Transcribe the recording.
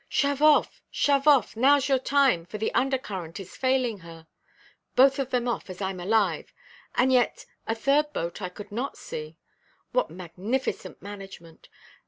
"Shove off, shove off; nowʼs your time, for the under–current is failing her. Both of them off, as Iʼm alive; and yet a third boat I could not see. What magnificent management!